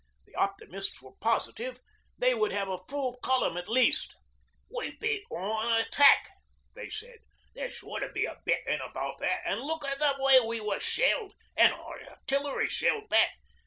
The optimists were positive they would have a full column at least. 'We beat on an attack,' they said. 'There's sure to be a bit in about that. And look at the way we were shelled, and our Artillery shelled back.